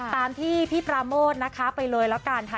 ตามที่พี่พราโมทไปเลยแล้วกันค่ะ